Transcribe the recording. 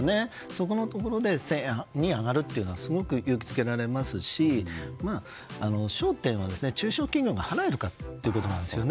そこのところで１０００円に上がるというのはすごく勇気づけられますし焦点は中小企業が払えるかということなんです。